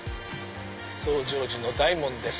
増上寺の大門です。